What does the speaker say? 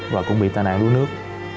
và cũng bị tai nạn đuối nước